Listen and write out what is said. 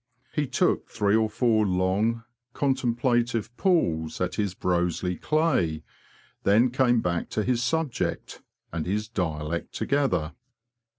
He took three or four long, contemplative pulls at his Broseley clay, then came back to his subject and his dialect together.